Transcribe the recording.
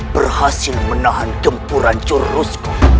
berhasil menahan gempuran jurusku